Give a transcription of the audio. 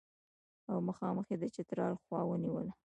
او مخامخ یې د چترال خوا ونیوله.